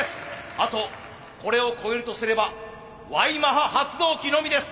あとこれを超えるとすればＹマハ発動機のみです。